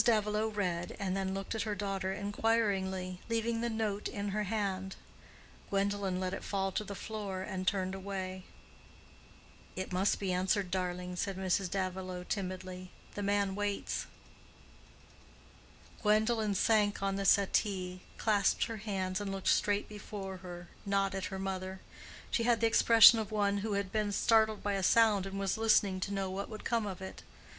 Davilow read, and then looked at her daughter inquiringly, leaving the note in her hand. Gwendolen let it fall to the floor, and turned away. "It must be answered, darling," said Mrs. Davilow, timidly. "The man waits." Gwendolen sank on the settee, clasped her hands, and looked straight before her, not at her mother. She had the expression of one who had been startled by a sound and was listening to know what would come of it.